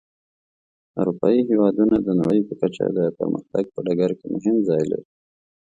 اروپایي هېوادونه د نړۍ په کچه د پرمختګ په ډګر کې مهم ځای لري.